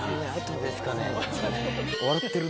どうですかね。